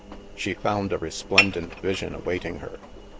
She found a resplendent vision awaiting her.